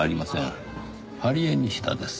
ハリエニシダです。